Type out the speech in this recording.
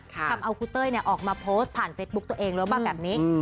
ทำเอาคุณเต้ยออกมาโพสต์ผ่านเฟซบุ๊คตัวเองรู้หรือเปล่าแบบนี้